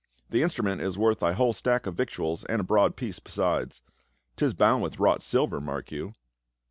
The instrument is worth thy whole stock of vic tuals and a broad piece besides. 'Tis bound with wrought silver, mark you."